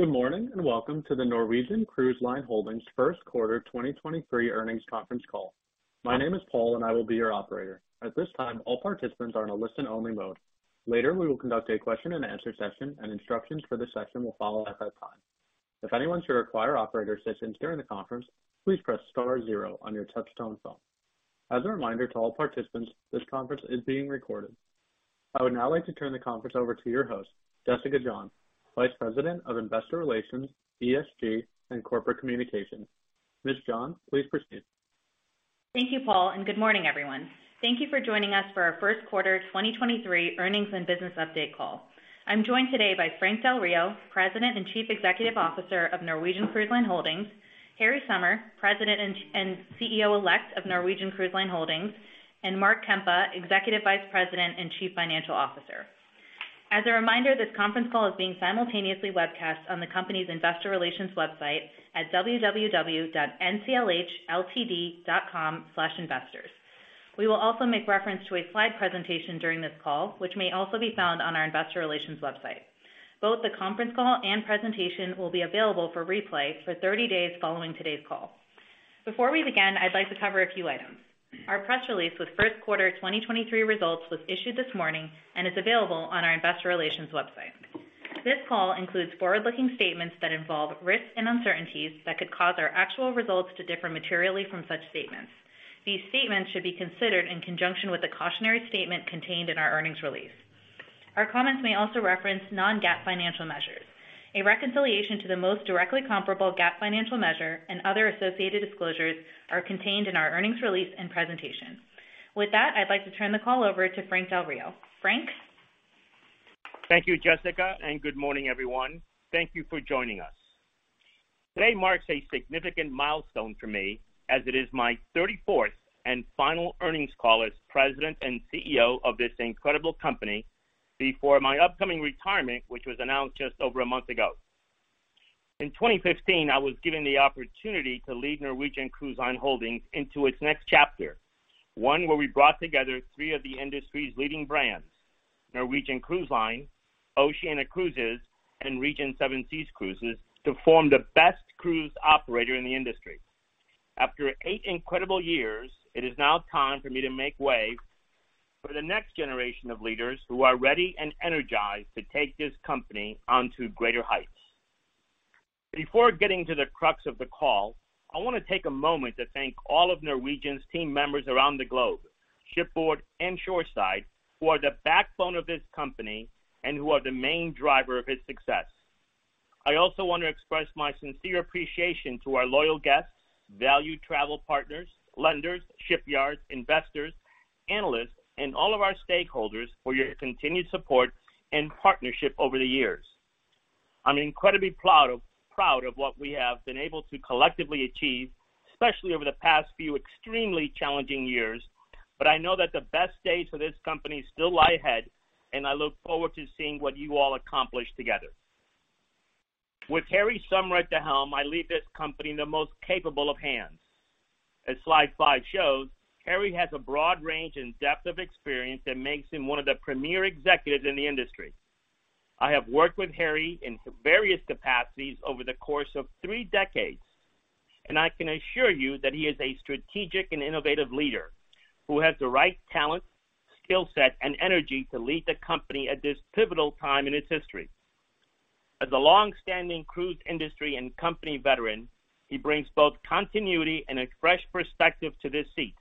Good morning, and welcome to the Norwegian Cruise Line Holdings Q1 2023 earnings conference call. My name is Paul and I will be your operator. At this time, all participants are in a listen-only mode. Later, we will conduct a question-and-answer session, and instructions for this session will follow at that time. If anyone should require operator assistance during the conference, please press star zero on your touchtone phone. As a reminder to all participants, this conference is being recorded. I would now like to turn the conference over to your host, Jessica John, Vice President of Investor Relations, ESG, and Corporate Communications. Ms. John, please proceed. Thank you, Paul, and good morning, everyone. Thank you for joining us for our first-quarter 2023 earnings and business update call. I'm joined today by Frank Del Rio, President and Chief Executive Officer of Norwegian Cruise Line Holdings, Harry Sommer, President and CEO-elect of Norwegian Cruise Line Holdings, and Mark Kempa, Executive Vice President and Chief Financial Officer. As a reminder, this conference call is being simultaneously webcast on the company's investor relations website at www.nclhltd.com/investors. We will also make reference to a slide presentation during this call, which may also be found on our investor relations website. Both the conference call and presentation will be available for replay for 30 days following today's call. Before we begin, I'd like to cover a few items. Our press release with Q1 2023 results was issued this morning and is available on our investor relations website. This call includes forward-looking statements that involve risks and uncertainties that could cause our actual results to differ materially from such statements. These statements should be considered in conjunction with the cautionary statement contained in our earnings release. Our comments may also reference non-GAAP financial measures. A reconciliation to the most directly comparable GAAP financial measure and other associated disclosures are contained in our earnings release and presentation. With that, I'd like to turn the call over to Frank Del Rio. Frank? Thank you, Jessica, and good morning, everyone. Thank you for joining us. Today marks a significant milestone for me as it is my 34th and final earnings call as President and CEO of this incredible company before my upcoming retirement, which was announced just over a month ago. In 2015, I was given the opportunity to lead Norwegian Cruise Line Holdings into its next chapter, one where we brought together three of the industry's leading brands, Norwegian Cruise Line, Oceania Cruises, and Regent Seven Seas Cruises, to form the best cruise operator in the industry. After eight incredible years, it is now time for me to make way for the next generation of leaders who are ready and energized to take this company onto greater heights. Before getting to the crux of the call, I wanna take a moment to thank all of Norwegian's team members around the globe, shipboard and shoreside, who are the backbone of this company and who are the main driver of its success. I also want to express my sincere appreciation to our loyal guests, valued travel partners, lenders, shipyards, investors, analysts, and all of our stakeholders for your continued support and partnership over the years. I'm incredibly proud of what we have been able to collectively achieve, especially over the past few extremely challenging years, but I know that the best days for this company still lie ahead, and I look forward to seeing what you all accomplish together. With Harry Sommer at the helm, I leave this company in the most capable of hands. Slide five shows, Harry has a broad range and depth of experience that makes him one of the premier executives in the industry. I have worked with Harry in various capacities over the course of three decades, and I can assure you that he is a strategic and innovative leader who has the right talent, skill set, and energy to lead the company at this pivotal time in its history. A long-standing cruise industry and company veteran, he brings both continuity and a fresh perspective to this seat.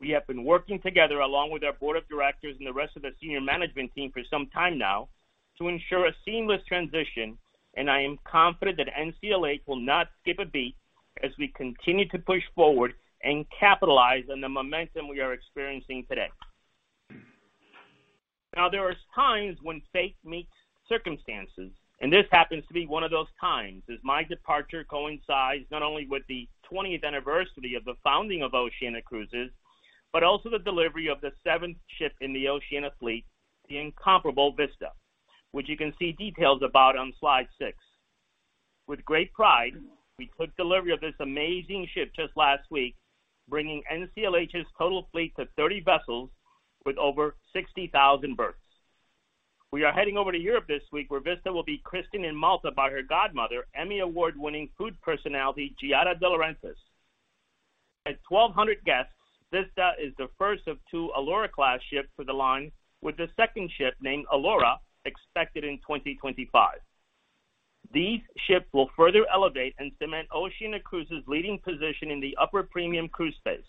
We have been working together along with our board of directors and the rest of the senior management team for some time now to ensure a seamless transition, and I am confident that NCLH will not skip a beat as we continue to push forward and capitalize on the momentum we are experiencing today. There is times when fate meets circumstances, and this happens to be one of those times, as my departure coincides not only with the 20th anniversary of the founding of Oceania Cruises, but also the delivery of the 7th ship in the Oceania fleet, the incomparable Vista, which you can see details about on slide 6. With great pride, we took delivery of this amazing ship just last week, bringing NCLH's total fleet to 30 vessels with over 60,000 berths. We are heading over to Europe this week, where Vista will be christened in Malta by her godmother, Emmy Award-winning food personality Giada De Laurentiis. At 1,200 guests, Vista is the first of two Allura Class ships for the line, with the second ship named Allura expected in 2025. These ships will further elevate and cement Oceania Cruises' leading position in the upper-premium cruise space.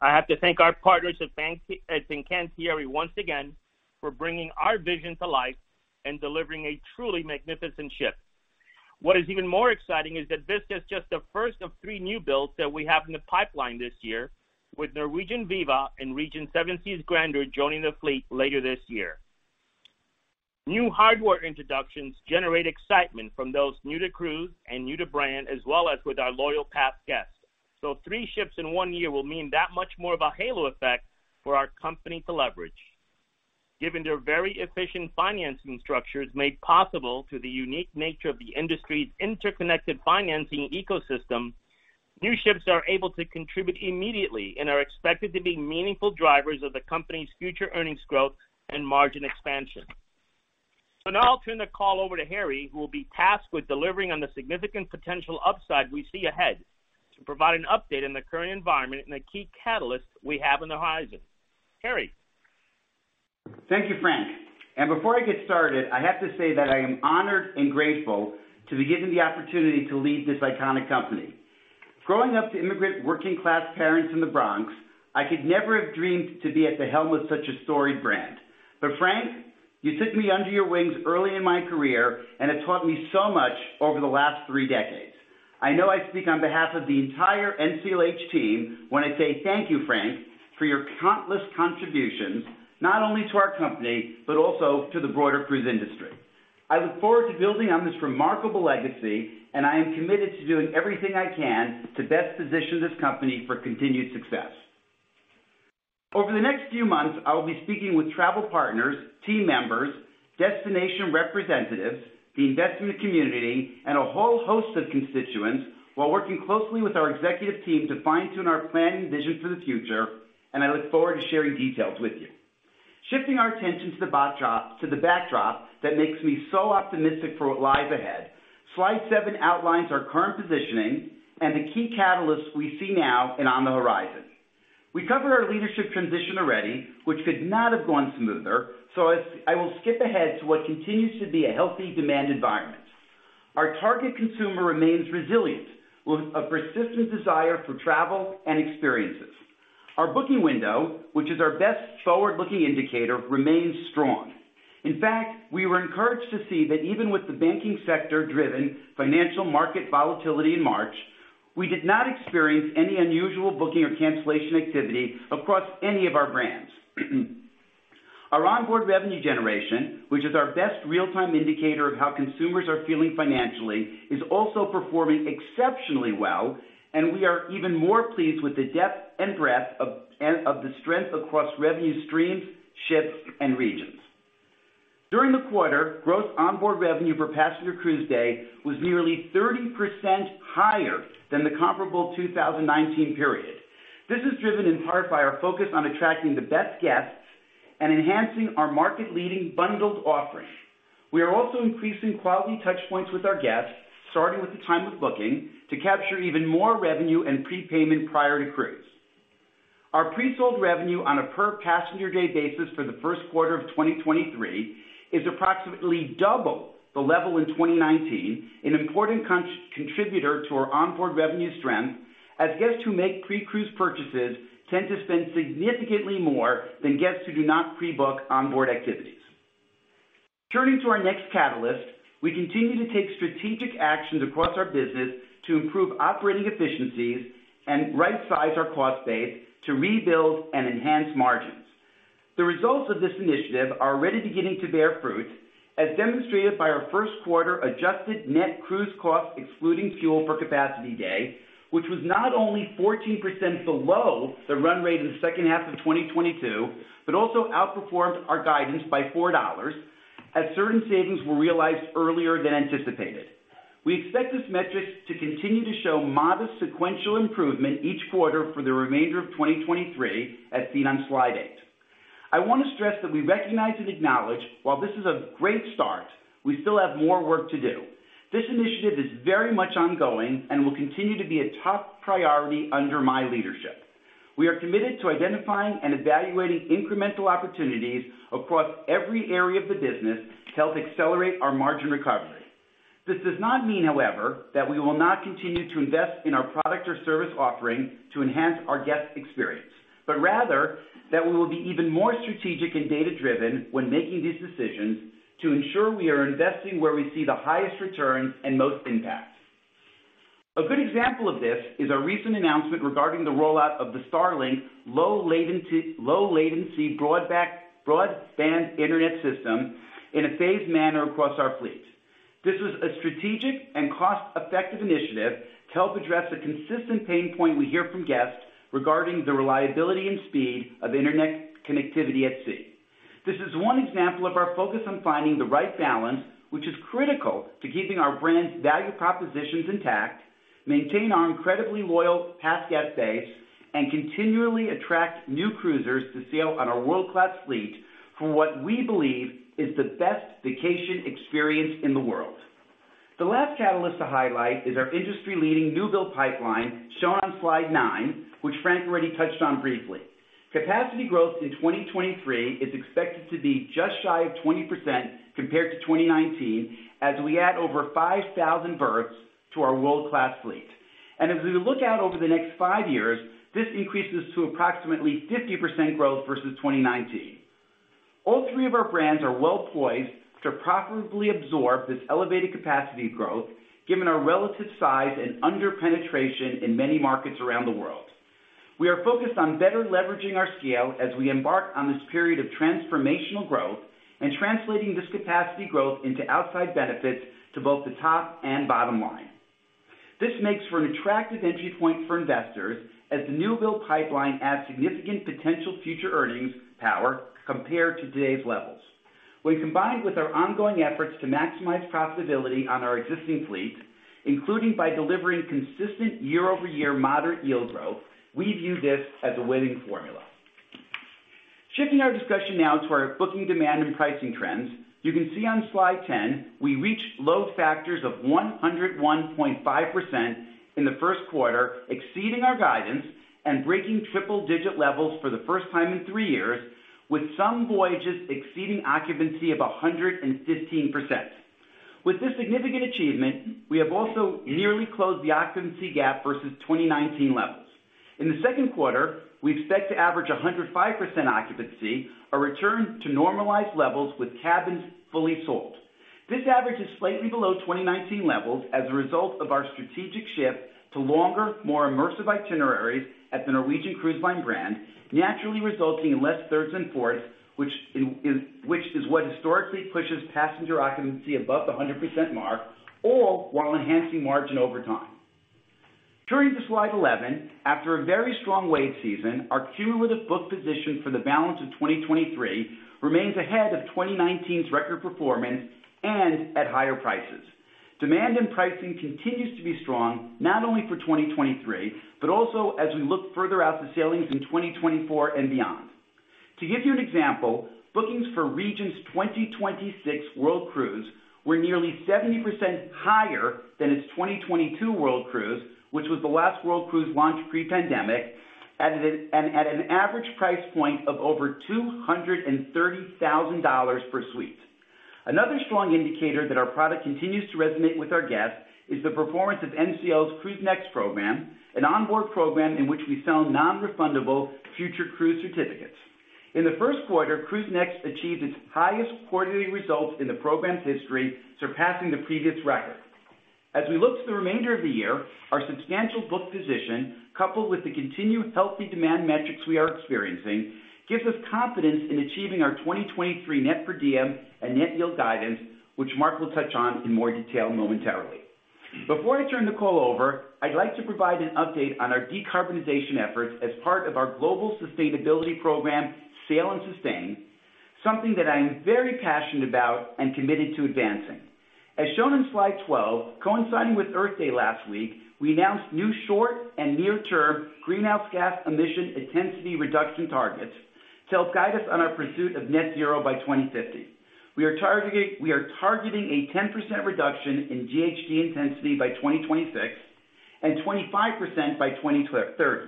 I have to thank our partners at Fincantieri once again for bringing our vision to life and delivering a truly magnificent ship. What is even more exciting is that this is just the first of three new builds that we have in the pipeline this year with Norwegian Viva and Regent Seven Seas Grandeur joining the fleet later this year. New hardware introductions generate excitement from those new to cruise and new to brand as well as with our loyal past guests. Three ships in one year will mean that much more of a halo effect for our company to leverage. Given their very efficient financing structures made possible through the unique nature of the industry's interconnected financing ecosystem. New ships are able to contribute immediately and are expected to be meaningful drivers of the company's future earnings growth and margin expansion. Now I'll turn the call over to Harry, who will be tasked with delivering on the significant potential upside we see ahead to provide an update on the current environment and the key catalysts we have on the horizon. Harry. Thank you, Frank. Before I get started, I have to say that I am honored and grateful to be given the opportunity to lead this iconic company. Growing up to immigrant working-class parents in the Bronx, I could never have dreamed to be at the helm of such a storied brand. Frank, you took me under your wings early in my career and have taught me so much over the last three decades. I know I speak on behalf of the entire NCLH team when I say thank you, Frank, for your countless contributions, not only to our company but also to the broader cruise industry. I look forward to building on this remarkable legacy, and I am committed to doing everything I can to best position this company for continued success. Over the next few months, I will be speaking with travel partners, team members, destination representatives, the investment community, and a whole host of constituents while working closely with our executive team to fine-tune our plan and vision for the future. I look forward to sharing details with you. Shifting our attention to the backdrop that makes me so optimistic for what lies ahead. Slide seven outlines our current positioning and the key catalysts we see now and on the horizon. We covered our leadership transition already, which could not have gone smoother. I will skip ahead to what continues to be a healthy demand environment. Our target consumer remains resilient, with a persistent desire for travel and experiences. Our booking window, which is our best forward-looking indicator, remains strong. In fact, we were encouraged to see that even with the banking sector-driven financial market volatility in March, we did not experience any unusual booking or cancellation activity across any of our brands. Our onboard revenue generation, which is our best real-time indicator of how consumers are feeling financially, is also performing exceptionally well, and we are even more pleased with the depth and breadth of the strength across revenue streams, ships, and regions. During the quarter, gross onboard revenue per passenger cruise day was nearly 30% higher than the comparable 2019 period. This is driven in part by our focus on attracting the best guests and enhancing our market-leading bundled offering. We are also increasing quality touch points with our guests, starting with the time of booking, to capture even more revenue and prepayment prior to cruise. Our pre-sold revenue on a per passenger day basis for Q1 of 2023 is approximately double the level in 2019, an important contributor to our onboard revenue strength, as guests who make pre-cruise purchases tend to spend significantly more than guests who do not pre-book onboard activities. Turning to our next catalyst, we continue to take strategic actions across our business to improve operating efficiencies and right-size our cost base to rebuild and enhance margins. The results of this initiative are already beginning to bear fruit, as demonstrated by our Q1 Adjusted Net Cruise Costs excluding Fuel per Capacity Day, which was not only 14% below the run rate in the second half of 2022, but also outperformed our guidance by $4 as certain savings were realized earlier than anticipated. We expect this metric to continue to show modest sequential improvement each quarter for the remainder of 2023, as seen on slide 8. I want to stress that we recognize and acknowledge while this is a great start, we still have more work to do. This initiative is very much ongoing and will continue to be a top priority under my leadership. We are committed to identifying and evaluating incremental opportunities across every area of the business to help accelerate our margin recovery. This does not mean, however, that we will not continue to invest in our product or service offering to enhance our guest experience, but rather that we will be even more strategic and data-driven when making these decisions to ensure we are investing where we see the highest returns and most impact. A good example of this is our recent announcement regarding the rollout of the Starlink low latency broadband Internet system in a phased manner across our fleet. This was a strategic and cost-effective initiative to help address a consistent pain point we hear from guests regarding the reliability and speed of Internet connectivity at sea. This is one example of our focus on finding the right balance, which is critical to keeping our brand's value propositions intact, maintain our incredibly loyal past guest base, and continually attract new cruisers to sail on our world-class fleet for what we believe is the best vacation experience in the world. The last catalyst to highlight is our industry-leading new build pipeline, shown on slide 9, which Frank already touched on briefly. Capacity growth in 2023 is expected to be just shy of 20% compared to 2019 as we add over 5,000 berths to our world-class fleet. As we look out over the next five years, this increases to approximately 50% growth versus 2019. All three of our brands are well-poised to profitably absorb this elevated capacity growth given our relative size and under-penetration in many markets around the world. We are focused on better leveraging our scale as we embark on this period of transformational growth and translating this capacity growth into outside benefits to both the top and bottom line. This makes for an attractive entry point for investors as the new build pipeline adds significant potential future earnings power compared to today's levels. Combined with our ongoing efforts to maximize profitability on our existing fleet, including by delivering consistent year-over-year moderate yield growth, we view this as a winning formula. Shifting our discussion now to our booking demand and pricing trends, you can see on slide 10, we reached load factors of 101.5% in Q1, exceeding our guidance and breaking triple-digit levels for the first time in three years, with some voyages exceeding occupancy of 115%. With this significant achievement, we have also nearly closed the occupancy gap versus 2019 levels. In Q2, we expect to average 105% occupancy, a return to normalized levels with cabins fully sold. This average is slightly below 2019 levels as a result of our strategic shift to longer, more immersive itineraries at the Norwegian Cruise Line brand, naturally resulting in less thirds and fourths, which is what historically pushes passenger occupancy above the 100% mark, all while enhancing margin over time. Turning to slide 11, after a very strong wave season, our cumulative book position for the balance of 2023 remains ahead of 2019's record performance and at higher prices. Demand and pricing continues to be strong not only for 2023, but also as we look further out to sailings in 2024 and beyond. To give you an example, bookings for Regent's 2026 World Cruise were nearly 70% higher than its 2022 World Cruise, which was the last World Cruise launched pre-pandemic at an average price point of over $230,000 per suite. Another strong indicator that our product continues to resonate with our guests is the performance of NCL's CruiseNext program, an onboard program in which we sell non-refundable future cruise certificates. In Q1, CruiseNext achieved its highest quarterly results in the program's history, surpassing the previous record. As we look to the remainder of the year, our substantial book position, coupled with the continued healthy demand metrics we are experiencing, gives us confidence in achieving our 2023 net per diem and net yield guidance, which Mark will touch on in more detail momentarily. Before I turn the call over, I'd like to provide an update on our decarbonization efforts as part of our global sustainability program, Sail & Sustain, something that I am very passionate about and committed to advancing. As shown in Slide 12, coinciding with Earth Day last week, we announced new short and near-term greenhouse gas emission intensity reduction targets to help guide us on our pursuit of net zero by 2050. We are targeting a 10% reduction in GHG intensity by 2026 and 25% by 2030.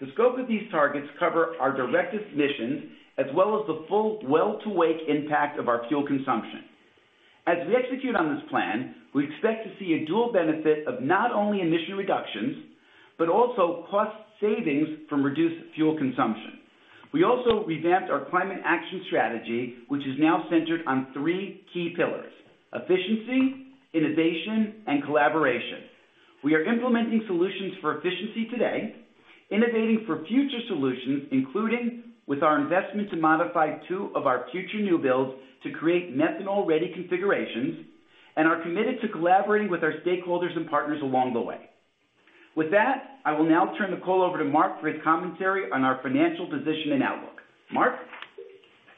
The scope of these targets cover our direct emissions as well as the full well-to-wake impact of our fuel consumption. As we execute on this plan, we expect to see a dual benefit of not only emission reductions, but also cost savings from reduced fuel consumption. We also revamped our climate action strategy, which is now centered on three key pillars: efficiency, innovation, and collaboration. We are implementing solutions for efficiency today, innovating for future solutions, including with our investment to modify two of our future new builds to create methanol-ready configurations, and are committed to collaborating with our stakeholders and partners along the way. With that, I will now turn the call over to Mark for his commentary on our financial position and outlook. Mark?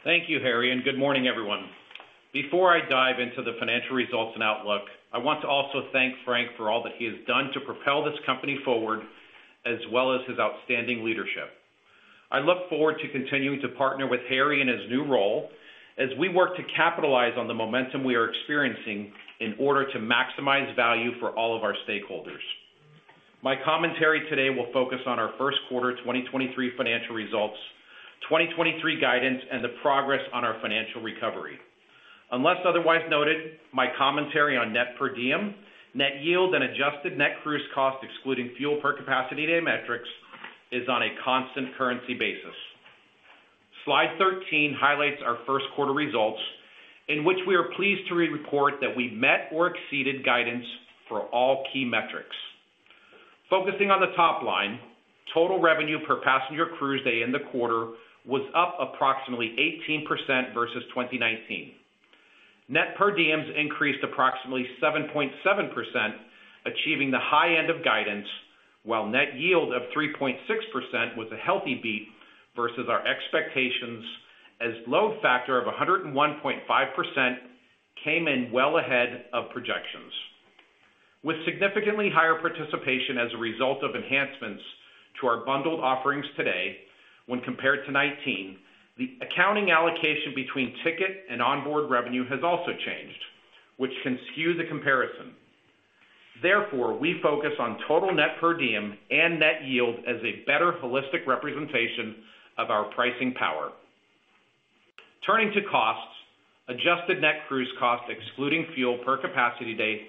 Thank you, Harry. Good morning, everyone. Before I dive into the financial results and outlook, I want to also thank Frank for all that he has done to propel this company forward, as well as his outstanding leadership. I look forward to continuing to partner with Harry in his new role as we work to capitalize on the momentum we are experiencing in order to maximize value for all of our stakeholders. My commentary today will focus on our Q1 2023 financial results, 2023 guidance, and the progress on our financial recovery. Unless otherwise noted, my commentary on Net Per Diem, Net Yield, and Adjusted Net Cruise Costs excluding Fuel per Capacity Day metrics, is on a constant currency basis. Slide 13 highlights our Q1 results, in which we are pleased to report that we met or exceeded guidance for all key metrics. Focusing on the top line, total revenue per passenger cruise day in the quarter was up approximately 18% versus 2019. Net Per Diems increased approximately 7.7%, achieving the high end of guidance, while Net Yield of 3.6% was a healthy beat versus our expectations as load factor of 101.5% came in well ahead of projections. With significantly higher participation as a result of enhancements to our bundled offerings today when compared to 2019, the accounting allocation between ticket and onboard revenue has also changed, which can skew the comparison. Therefore, we focus on total Net Per Diem and Net Yield as a better holistic representation of our pricing power. Turning to costs, Adjusted Net Cruise Costs excluding Fuel per Capacity Day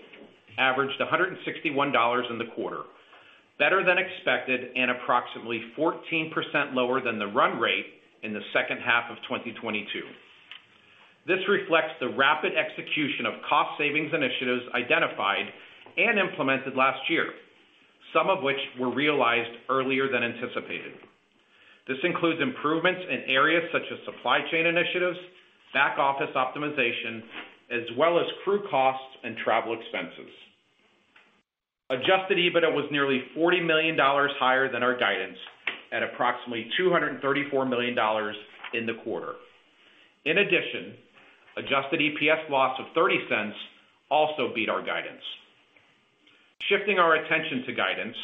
averaged $161 in the quarter, better than expected and approximately 14% lower than the run rate in the second half of 2022. This reflects the rapid execution of cost savings initiatives identified and implemented last year, some of which were realized earlier than anticipated. This includes improvements in areas such as supply chain initiatives, back-office optimization, as well as crew costs and travel expenses. Adjusted EBITDA was nearly $40 million higher than our guidance at approximately $234 million in the quarter. In addition, Adjusted EPS loss of $0.30 also beat our guidance. Shifting our attention to guidance,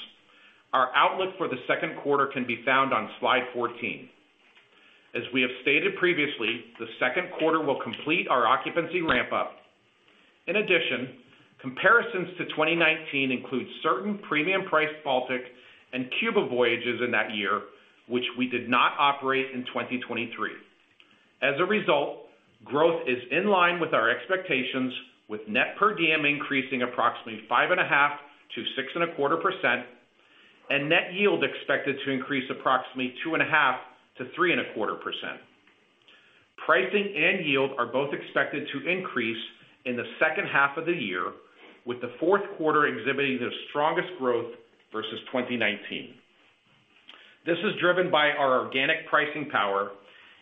our outlook for Q2 can be found on slide 14. As we have stated previously, Q2 will complete our occupancy ramp up. In addition, comparisons to 2019 include certain premium priced Baltic and Cuba voyages in that year, which we did not operate in 2023. As a result, growth is in line with our expectations, with Net Per Diem increasing approximately 5.5%-6.25%, and Net Yield expected to increase approximately 2.5%-3.25%. Pricing and yield are both expected to increase in the second half of the year, with the Q4 exhibiting the strongest growth versus 2019. This is driven by our organic pricing power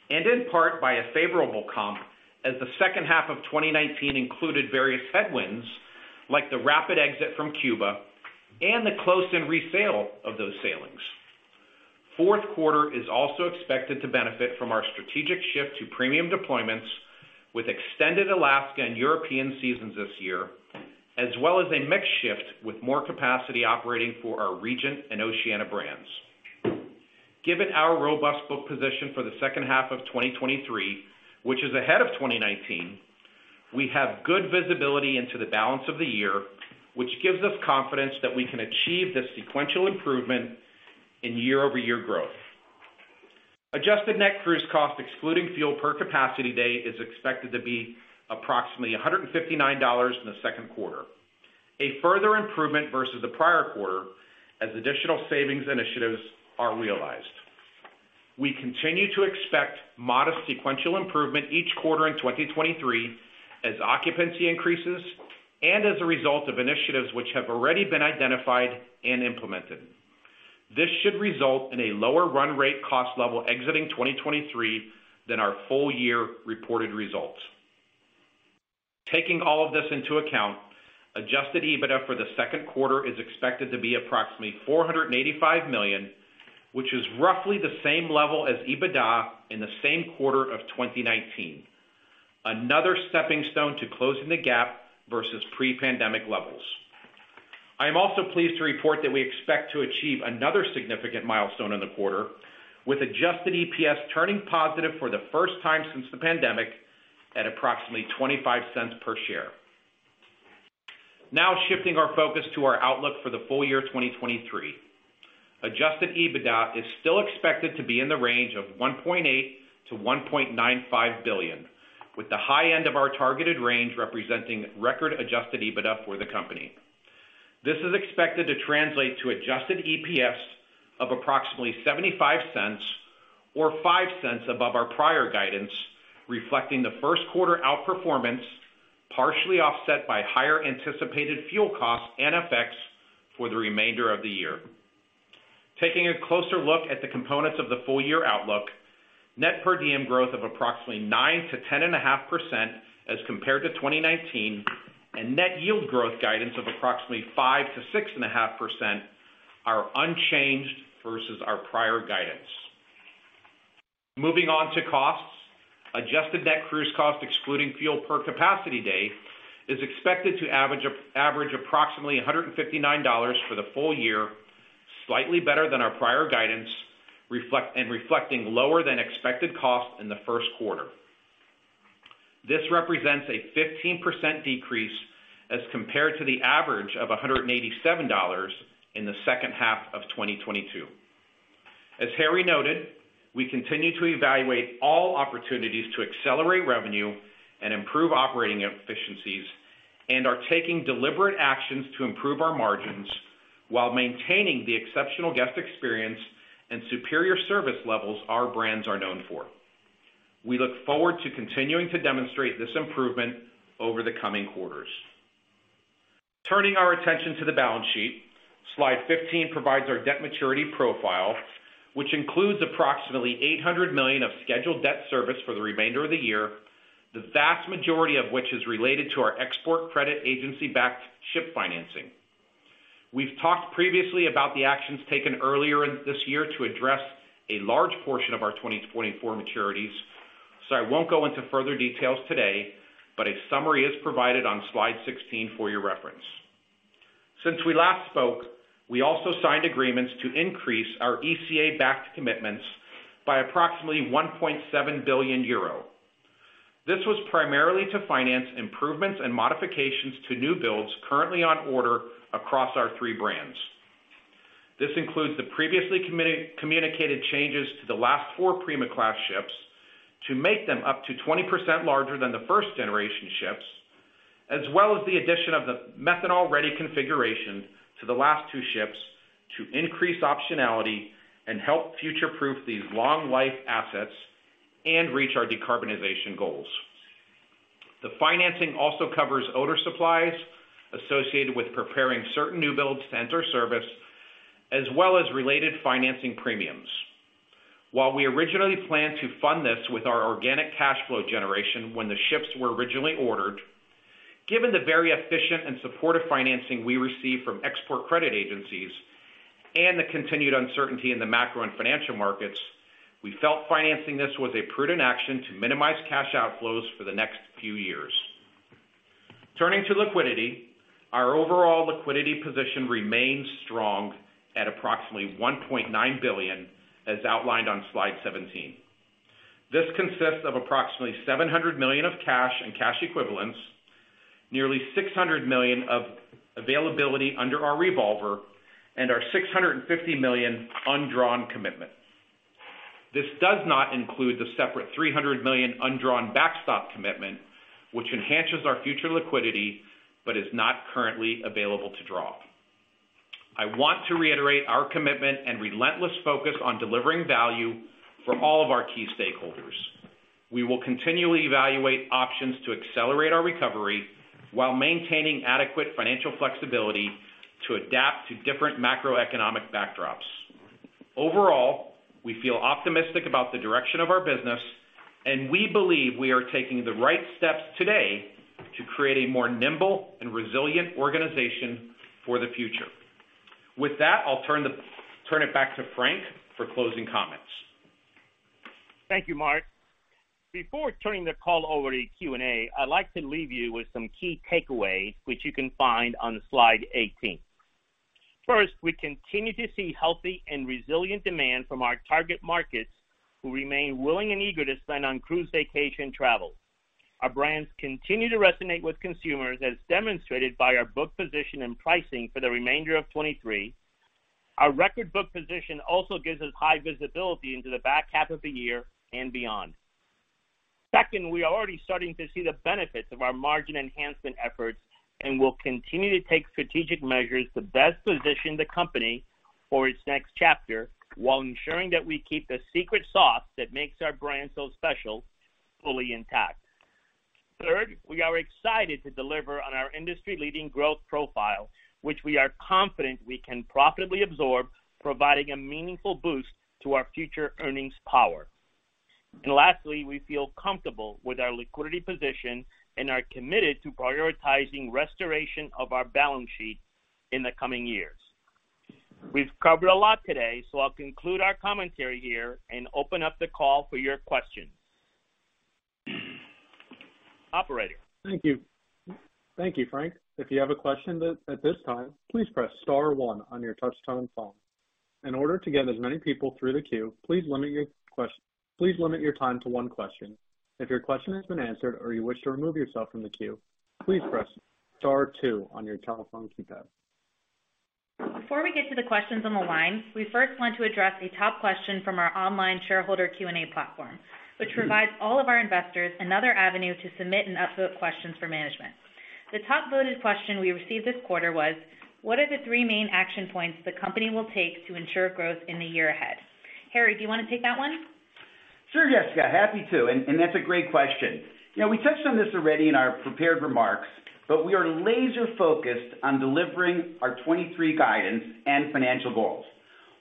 and in part by a favorable comp as the second half of 2019 included various headwinds like the rapid exit from Cuba and the close and resale of those sailings. Q4 is also expected to benefit from our strategic shift to premium deployments with extended Alaska and European seasons this year, as well as a mix shift with more capacity operating for our Regent and Oceania brands. Given our robust book position for the second half of 2023, which is ahead of 2019, we have good visibility into the balance of the year, which gives us confidence that we can achieve the sequential improvement in year-over-year growth. Adjusted Net Cruise Costs excluding Fuel per Capacity Day is expected to be approximately $159 in Q2, a further improvement versus the prior quarter as additional savings initiatives are realized. We continue to expect modest sequential improvement each quarter in 2023 as occupancy increases and as a result of initiatives which have already been identified and implemented. This should result in a lower run rate cost level exiting 2023 than our full year reported results. Taking all of this into account, Adjusted EBITDA for Q2 is expected to be approximately $485 million, which is roughly the same level as EBITDA in the same quarter of 2019. Another stepping stone to closing the gap versus pre-pandemic levels. I am also pleased to report that we expect to achieve another significant milestone in the quarter with Adjusted EPS turning positive for the first time since the pandemic at approximately $0.25 per share. Shifting our focus to our outlook for the full year 2023. Adjusted EBITDA is still expected to be in the range of $1.8 billion-$1.95 billion, with the high end of our targeted range representing record Adjusted EBITDA for the company. This is expected to translate to Adjusted EPS of approximately $0.75 or $0.05 above our prior guidance, reflecting Q1 outperformance, partially offset by higher anticipated fuel costs and FX for the remainder of the year. Taking a closer look at the components of the full-year outlook, Net Per Diem growth of approximately 9% to 10.5% as compared to 2019, and Net Yield growth guidance of approximately 5% to 6.5% are unchanged versus our prior guidance. Moving on to costs. Adjusted Net Cruise Cost excluding Fuel per Capacity Day is expected to average approximately $159 for the full year, slightly better than our prior guidance and reflecting lower than expected costs in Q1. This represents a 15% decrease as compared to the average of $187 in the second half of 2022. As Harry noted, we continue to evaluate all opportunities to accelerate revenue and improve operating efficiencies and are taking deliberate actions to improve our margins while maintaining the exceptional guest experience and superior service levels our brands are known for. We look forward to continuing to demonstrate this improvement over the coming quarters. Turning our attention to the balance sheet. Slide 15 provides our debt maturity profile, which includes approximately $800 million of scheduled debt service for the remainder of the year, the vast majority of which is related to our export credit agency-backed ship financing. We've talked previously about the actions taken earlier in this year to address a large portion of our 2024 maturities. I won't go into further details today, but a summary is provided on slide 16 for your reference. Since we last spoke, we also signed agreements to increase our ECA-backed commitments by approximately 1.7 billion euro. This was primarily to finance improvements and modifications to new builds currently on order across our three brands. This includes the previously communicated changes to the last four Prima Class ships to make them up to 20% larger than the first-generation ships, as well as the addition of the methanol-ready configuration to the last two ships to increase optionality and help future-proof these long life assets and reach our decarbonization goals. The financing also covers owners' supplies associated with preparing certain new builds to enter service, as well as related financing premiums. We originally planned to fund this with our organic cash flow generation when the ships were originally ordered, given the very efficient and supportive financing we received from export credit agencies and the continued uncertainty in the macro and financial markets, we felt financing this was a prudent action to minimize cash outflows for the next few years. Turning to liquidity, our overall liquidity position remains strong at approximately $1.9 billion as outlined on slide 17. This consists of approximately $700 million of cash and cash equivalents, nearly $600 million of availability under our revolver, and our $650 million undrawn commitments. This does not include the separate $300 million undrawn backstop commitment, which enhances our future liquidity, but is not currently available to draw. I want to reiterate our commitment and relentless focus on delivering value for all of our key stakeholders. We will continually evaluate options to accelerate our recovery while maintaining adequate financial flexibility to adapt to different macroeconomic backdrops. We feel optimistic about the direction of our business, and we believe we are taking the right steps today to create a more nimble and resilient organization for the future. With that, I'll turn it back to Frank for closing comments. Thank you, Mark. Before turning the call over to Q&A, I'd like to leave you with some key takeaways which you can find on slide 18. First, we continue to see healthy and resilient demand from our target markets who remain willing and eager to spend on cruise vacation travel. Our brands continue to resonate with consumers, as demonstrated by our book position and pricing for the remainder of 2023. Our record book position also gives us high visibility into the back half of the year and beyond. Second, we are already starting to see the benefits of our margin enhancement efforts and will continue to take strategic measures to best position the company for its next chapter while ensuring that we keep the secret sauce that makes our brand so special, fully intact. Third, we are excited to deliver on our industry-leading growth profile, which we are confident we can profitably absorb, providing a meaningful boost to our future earnings power. Lastly, we feel comfortable with our liquidity position and are committed to prioritizing restoration of our balance sheet in the coming years. We've covered a lot today, so I'll conclude our commentary here and open up the call for your questions. Operator? Thank you. Thank you, Frank. If you have a question at this time, please press star one on your touch-tone phone. In order to get as many people through the queue, please limit your time to one question. If your question has been answered or you wish to remove yourself from the queue, please press star two on your telephone keypad. Before we get to the questions on the line, we first want to address a top question from our online shareholder Q&A platform, which provides all of our investors another avenue to submit and upvote questions for management. The top-voted question we received this quarter was: What are the 3 main action points the company will take to ensure growth in the year ahead? Harry, do you want to take that one? Sure, Jessica. Happy to, and that's a great question. We touched on this already in our prepared remarks, but we are laser-focused on delivering our 2023 guidance and financial goals.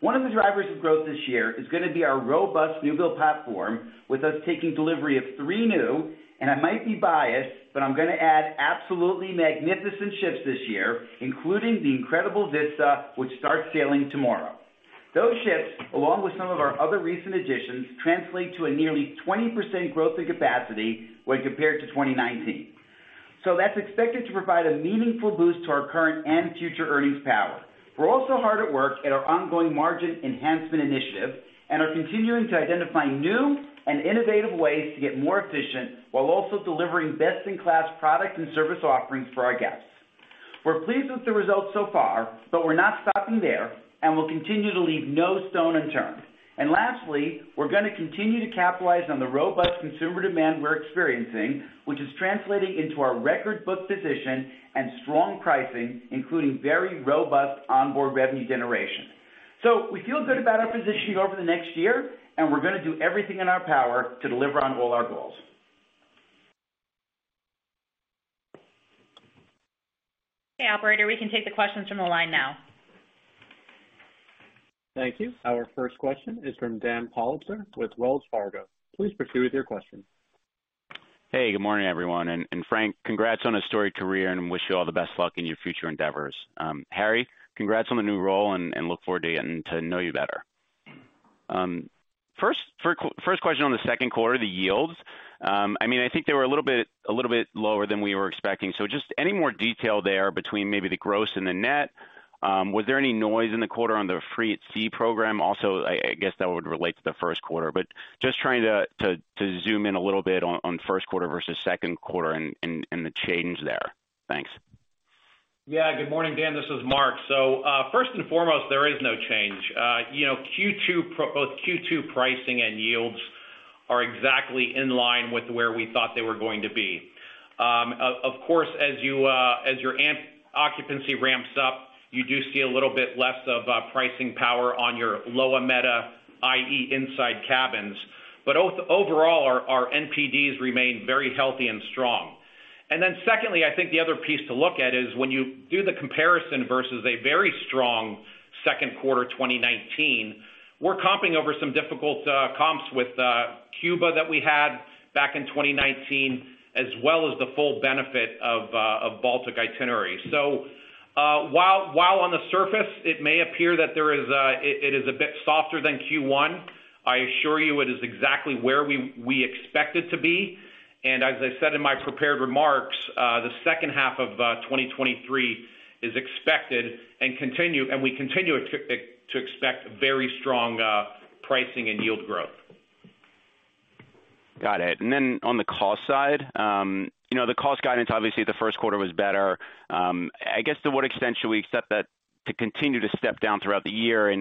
One of the drivers of growth this year is gonna be our robust newbuild platform, with us taking delivery of three new, and I might be biased, but I'm gonna add absolutely magnificent ships this year, including the incredible Vista, which starts sailing tomorrow. Those ships, along with some of our other recent additions, translate to a nearly 20% growth in capacity when compared to 2019. That's expected to provide a meaningful boost to our current and future earnings power. We're also hard at work at our ongoing margin enhancement initiative and are continuing to identify new and innovative ways to get more efficient while also delivering best-in-class product and service offerings for our guests. We're pleased with the results so far, but we're not stopping there and will continue to leave no stone unturned. Lastly, we're gonna continue to capitalize on the robust consumer demand we're experiencing, which is translating into our record book position and strong pricing, including very robust onboard revenue generation. We feel good about our position over the next year, and we're gonna do everything in our power to deliver on all our goals. Okay, operator, we can take the questions from the line now. Thank you. Our first question is from Daniel Politzer with Wells Fargo. Please proceed with your question. Hey, good morning, everyone. Frank, congrats on a storied career and wish you all the best luck in your future endeavors. Harry, congrats on the new role and look forward to getting to know you better. First question on Q2, the yields. I mean, I think they were a little bit lower than we were expecting. Just any more detail there between maybe the gross and the net? Was there any noise in the quarter on the Free at Sea program? I guess that would relate to Q1, just trying to zoom in a little bit on Q1 versus Q2 and the change there. Thanks. Good morning, Dan. This is Mark. First and foremost, there is no change. Both Q2 pricing and yields are exactly in line with where we thought they were going to be. Of course, as your amp occupancy ramps up, you do see a little bit less of pricing power on your lower meta, i.e. inside cabins. Overall, our NPDs remain very healthy and strong. Secondly, I think the other piece to look at is when you do the comparison versus a very strong Q2 2019, we're comping over some difficult comps with Cuba that we had back in 2019, as well as the full benefit of Baltic itinerary. While on the surface it may appear that it is a bit softer than Q1, I assure you it is exactly where we expect it to be. As I said in my prepared remarks, the second half of 2023 is expected and we continue to expect very strong pricing and yield growth. Got it. On the cost side, the cost guidance, obviously Q1 was better. I guess to what extent should we accept that to continue to step down throughout the year?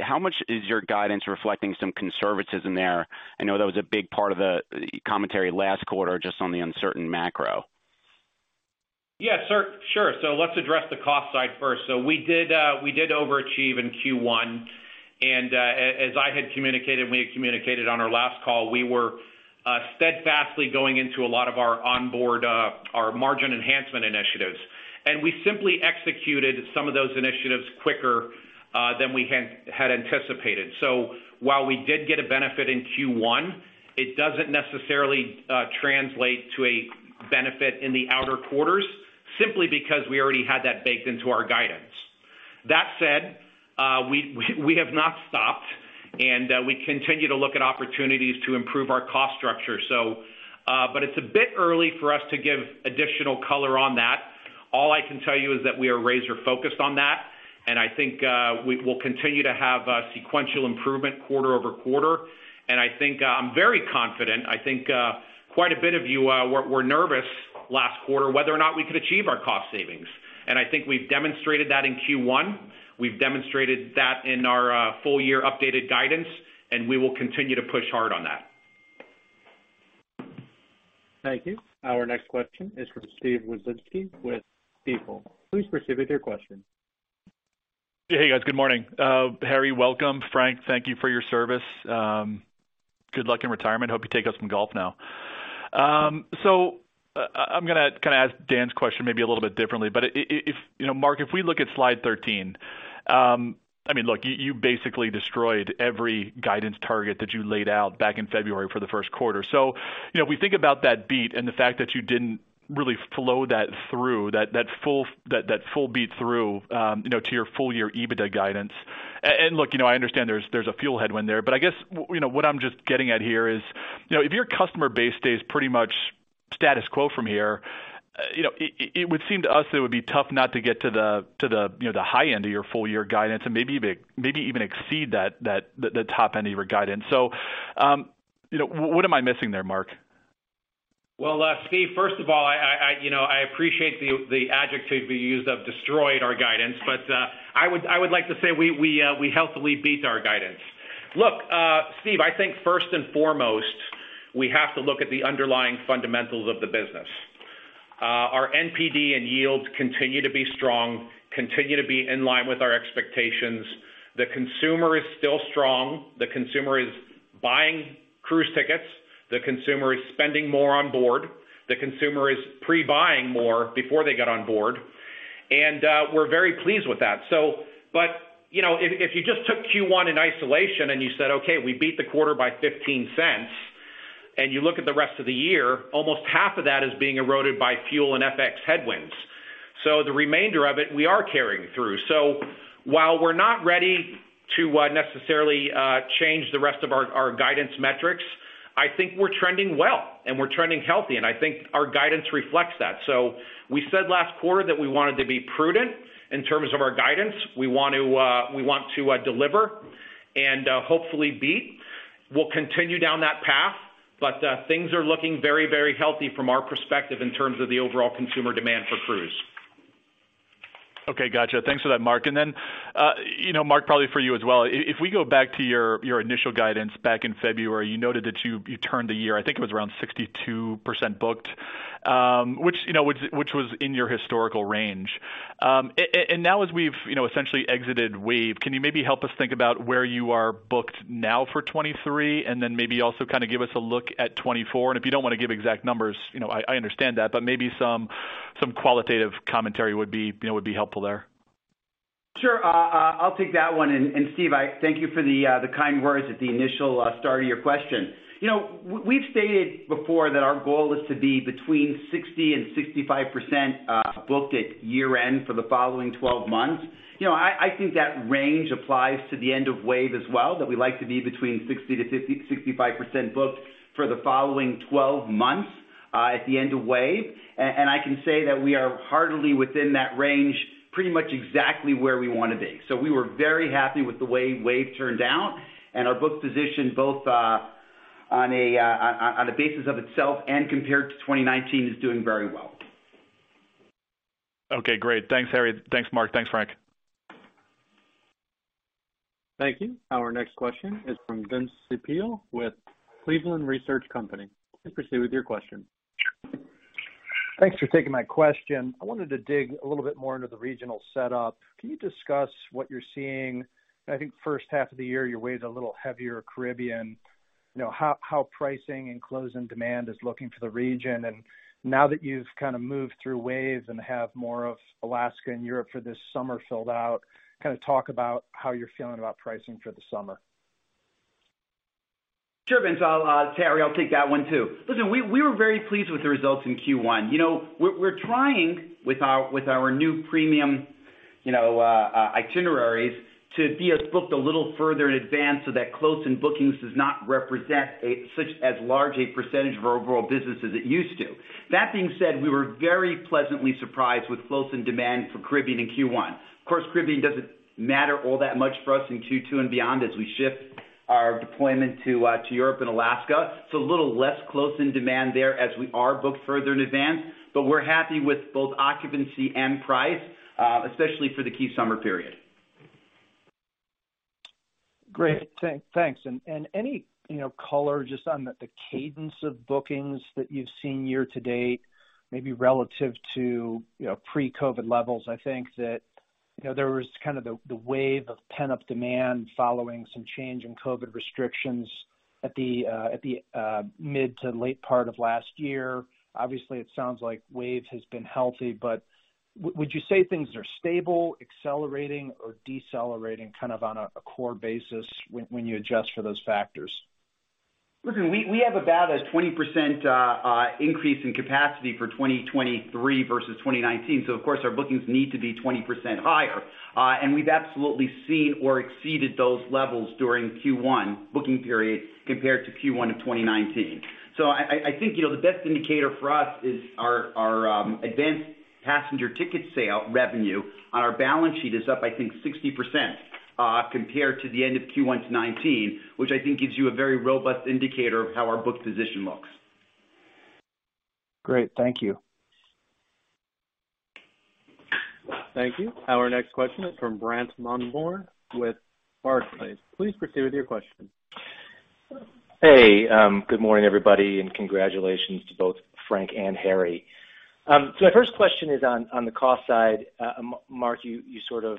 How much is your guidance reflecting some conservatism there? I know that was a big part of the commentary last quarter just on the uncertain macro. Yeah. Sure. Let's address the cost side first. We did overachieve in Q1. As I had communicated on our last call, we were steadfastly going into a lot of our onboard, our margin enhancement initiatives. We simply executed some of those initiatives quicker than we had anticipated. While we did get a benefit in Q1, it doesn't necessarily translate to a benefit in the outer quarters simply because we already had that baked into our guidance. That said, we have not stopped, and we continue to look at opportunities to improve our cost structure. It's a bit early for us to give additional color on that. All I can tell you is that we are razor-focused on that, and I think, we will continue to have a sequential improvement quarter-over-quarter. I think, I'm very confident. I think, quite a bit of you, were nervous last quarter whether or not we could achieve our cost savings. I think we've demonstrated that in Q1. We've demonstrated that in our, full-year updated guidance, and we will continue to push hard on that. Thank you. Our next question is from Steve Wieczynski with Stifel. Please proceed with your question. Hey, guys. Good morning. Harry, welcome. Frank, thank you for your service. Good luck in retirement. Hope you take up some golf now. I'm gonna ask Dan's question maybe a little bit differently. Mark, if we look at slide 13, I mean, look, you basically destroyed every guidance target that you laid out back in February for Q1. We think about that beat and the fact that you didn't really flow that through, that full beat through, to your full year EBITDA guidance. look, I understand there's a fuel headwind there, but I guess, what I'm just getting at here is, if your customer base stays pretty much status quo from here, it would seem to us it would be tough not to get to the high end of your full year guidance and maybe even exceed that, the top end of your guidance. What am I missing there, Mark? Steve, first of all, i, I appreciate the adjective you used of destroyed our guidance, but I would like to say we healthily beat our guidance. Look, Steve, I think first and foremost, we have to look at the underlying fundamentals of the business. Our NPD and yields continue to be strong, continue to be in line with our expectations. The consumer is still strong. The consumer is buying cruise tickets. The consumer is spending more on board. The consumer is pre-buying more before they get on board. We're very pleased with that. If you just took Q1 in isolation and you said, "Okay, we beat the quarter by $0.15," and you look at the rest of the year, almost half of that is being eroded by fuel and FX headwinds. The remainder of it, we are carrying through. While we're not ready to, necessarily, change the rest of our guidance metrics, I think we're trending well and we're trending healthy, and I think our guidance reflects that. We said last quarter that we wanted to be prudent in terms of our guidance. We want to deliver and, hopefully beat. We'll continue down that path, but things are looking very, very healthy from our perspective in terms of the overall consumer demand for cruise. Okay. Gotcha. Thanks for that, Mark. then, Mark, probably for you as well. If we go back to your initial guidance back in February, you noted that you turned the year, I think it was around 62% booked, which was in your historical range. Now as we've, essentially exited Wave, can you maybe help us think about where you are booked now for 2023 and then maybe also kind of give us a look at 2024? If you don't want to give exact numbers, I understand that, but maybe some qualitative commentary would be, would be helpful there. Sure. I'll take that one. Steve, I thank you for the kind words at the initial start of your question., we've stated before that our goal is to be between 60% and 65% booked at year-end for the following 12 months. I think that range applies to the end of wave season as well, that we like to be between 60% to 65% booked for the following 12 months at the end of wave season. I can say that we are hardly within that range, pretty much exactly where we wanna be. We were very happy with the way wave season turned out and our book position both on a basis of itself and compared to 2019 is doing very well. Okay, great. Thanks, Harry. Thanks, Mark. Thanks, Frank. Thank you. Our next question is from Vince Ciepiel with Cleveland Research Company. Please proceed with your question. Thanks for taking my question. I wanted to dig a little bit more into the regional setup. Can you discuss what you're seeing? I think first half of the year, you weighed a little heavier Caribbean. How pricing and close-in demand is looking for the region. Now that you've kind of moved through Wave season and have more of Alaska and Europe for this summer filled out, kind of talk about how you're feeling about pricing for the summer. Sure, Vince. It's Harry, I'll take that one too. Listen, we were very pleased with the results in Q1. We're trying with our new premium, itineraries to be as booked a little further in advance so that close-in bookings does not represent such as large a % of our overall business as it used to. That being said, we were very pleasantly surprised with close-in demand for Caribbean in Q1. Of course, Caribbean doesn't matter all that much for us in Q2 and beyond as we shift our deployment to Europe and Alaska. A little less close-in demand there as we are booked further in advance. We're happy with both occupancy and price, especially for the key summer period. Great. Thanks. any, color just on the cadence of bookings that you've seen year to date, maybe relative to, pre-COVID levels. I think that, there was kind of the wave of pent-up demand following some change in COVID restrictions at the mid to late part of last year. Obviously, it sounds like wave has been healthy, but would you say things are stable, accelerating or decelerating kind of on a core basis when you adjust for those factors? Listen, we have about a 20% increase in capacity for 2023 versus 2019, of course our bookings need to be 20% higher. We've absolutely seen or exceeded those levels during Q1 booking period compared to Q1 of 2019. I think, the best indicator for us is our advanced passenger ticket sale revenue on our balance sheet is up, I think 60%, compared to the end of Q1 2019, which I think gives you a very robust indicator of how our book position looks. Great. Thank you. Thank you. Our next question is from Brandt Montour with Barclays. Please proceed with your question. Hey, good morning, everybody, congratulations to both Frank and Harry. My first question is on the cost side. Mark, you sort of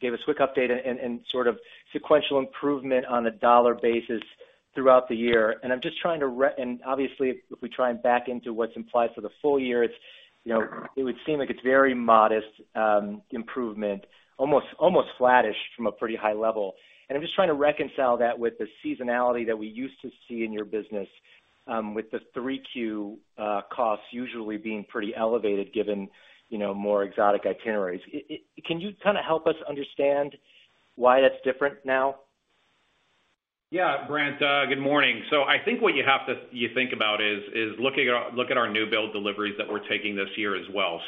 gave a quick update and sort of sequential improvement on a dollar basis throughout the year. I'm just trying to obviously if we try and back into what's implied for the full year, it's, it would seem like it's very modest improvement, almost flattish from a pretty high level. I'm just trying to reconcile that with the seasonality that we used to see in your business, with the 3Q costs usually being pretty elevated given, more exotic itineraries. Can you kind of help us understand why that's different now? Yeah, Brandt, good morning. I think what you think about is looking at our new build deliveries that we're taking this year as well.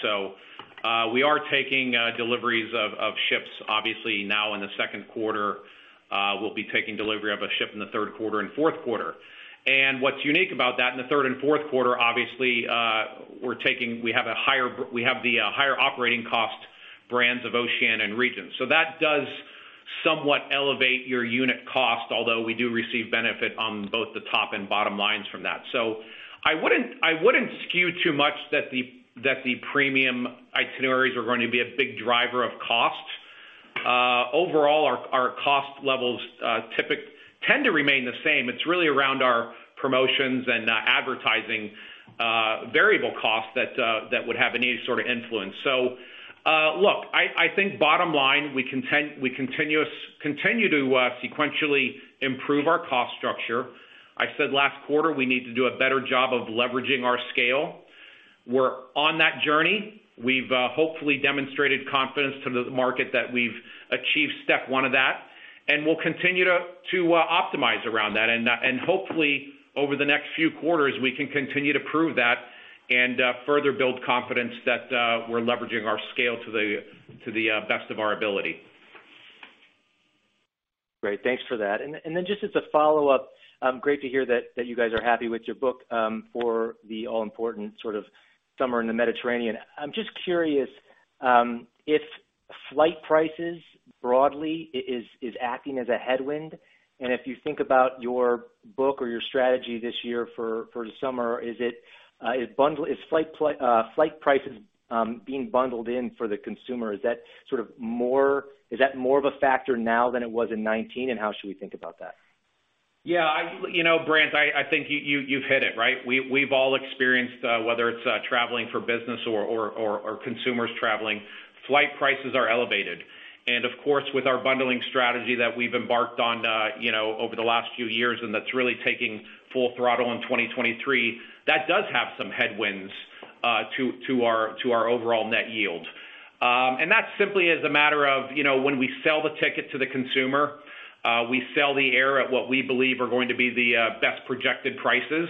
We are taking deliveries of ships obviously now in Q2. We'll be taking delivery of a ship in the Q3 and Q4. What's unique about that, in the third and Q4, obviously, we have the higher operating cost brands of Oceania and Regent. That does somewhat elevate your unit cost, although we do receive benefit on both the top and bottom lines from that. I wouldn't skew too much that the premium itineraries are going to be a big driver of cost. overall, our cost levels tend to remain the same. It's really around our promotions and advertising variable costs that would have any sort of influence. look, I think bottom line, we continue to sequentially improve our cost structure. I said last quarter, we need to do a better job of leveraging our scale. We're on that journey. We've hopefully demonstrated confidence to the market that we've achieved step one of that. We'll continue to optimize around that. hopefully, over the next few quarters, we can continue to prove that and further build confidence that we're leveraging our scale to the best of our ability. Great. Thanks for that. Then just as a follow-up, great to hear that you guys are happy with your book for the all-important sort of summer in the Mediterranean. I'm just curious if flight prices broadly is acting as a headwind. If you think about your book or your strategy this year for the summer, is it, is flight prices being bundled in for the consumer? Is that sort of more, is that more of a factor now than it was in 19? How should we think about that? Yeah. Brandt, I think you've hit it, right? We've all experienced, whether it's traveling for business or consumers traveling, flight prices are elevated. of course, with our bundling strategy that we've embarked on, over the last few years, and that's really taking full throttle in 2023, that does have some headwinds to our overall Net Yield. that simply is a matter of, when we sell the ticket to the consumer, we sell the air at what we believe are going to be the best projected prices.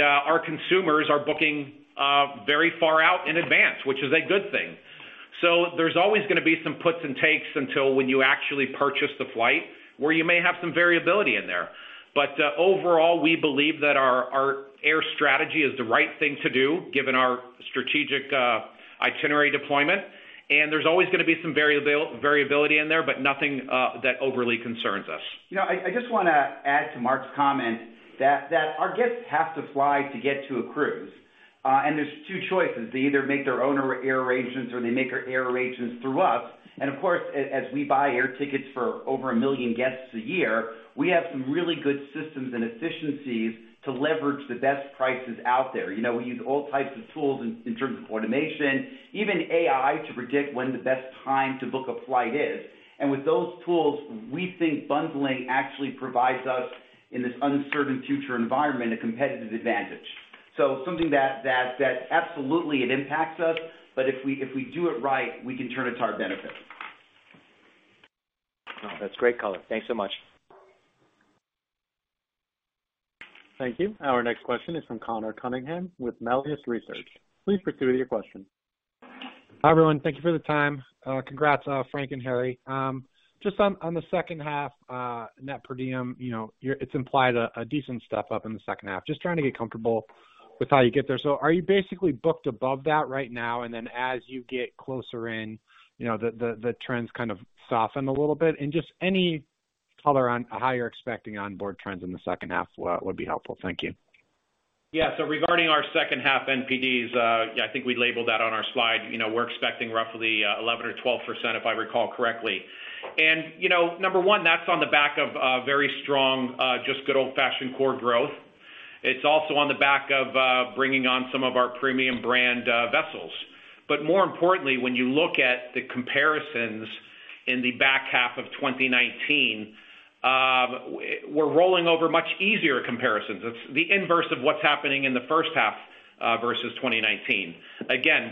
Our consumers are booking very far out in advance, which is a good thing. There's always gonna be some puts and takes until when you actually purchase the flight, where you may have some variability in there. Overall, we believe that our air strategy is the right thing to do given our strategic itinerary deployment. There's always gonna be some variability in there, but nothing that overly concerns us. I just wanna add to Mark's comment. That our guests have to fly to get to a cruise. There's two choices. They either make their own air arrangements or they make their air arrangements through us. Of course, as we buy air tickets for over 1 million guests a year, we have some really good systems and efficiencies to leverage the best prices out there. We use all types of tools in terms of automation, even AI, to predict when the best time to book a flight is. With those tools, we think bundling actually provides us, in this uncertain future environment, a competitive advantage. Something that absolutely it impacts us, but if we do it right, we can turn it to our benefit. Oh, that's great color. Thanks so much. Thank you. Our next question is from Conor Cunningham with Melius Research. Please proceed with your question. Hi, everyone. Thank you for the time. Congrats, Frank and Harry. Just on the second half, Net Per diem, it's implied a decent step up in the second half. Just trying to get comfortable with how you get there. Are you basically booked above that right now and then as you get closer in, the trends kind of soften a little bit? Just any color on how you're expecting onboard trends in the second half would be helpful. Thank you. Regarding our second half NPDs, I think we labeled that on our slide. We're expecting roughly 11% or 12% if I recall correctly. Number one, that's on the back of very strong, just good old-fashioned core growth. It's also on the back of bringing on some of our premium brand vessels. More importantly, when you look at the comparisons in the back half of 2019, we're rolling over much easier comparisons. It's the inverse of what's happening in the first half versus 2019.